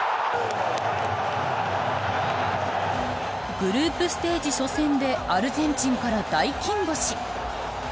グループステージ初戦でアルゼンチンから大金星。